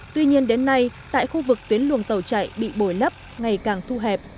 tuy nhiên đến nay tại khu vực tuyến luồng tàu chạy bị bồi lấp ngày càng thu hẹp